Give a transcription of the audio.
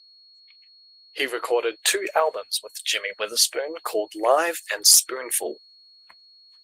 He recorded two albums with Jimmy Witherspoon called "Live" and "Spoonful".